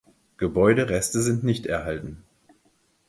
Gebäudereste sind nicht erhalten.